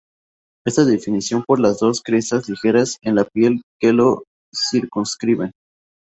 Está definido por las dos crestas ligeras en la piel que lo circunscriben.